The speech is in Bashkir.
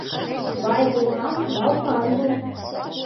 Бай булһаң балпан бул